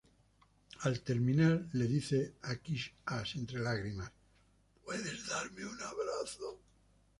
Al terminar le dice a "Kick-Ass" entre lágrimas: “¿Puedes darme un abrazo?